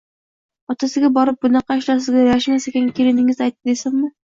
Otasiga borib, bunaqa ishlar sizga yarashmas ekan, kelinigiz aytdi desinmi